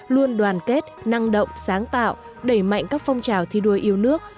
luôn đoàn kết năng động sáng tạo đẩy mạnh các phong trào thi đua yêu nước